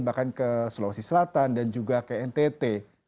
bahkan ke sulawesi selatan dan juga ke ntt